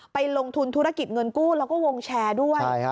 ไปลงทุนธุรกิจเงินกู้แล้วก็วงแชร์ด้วย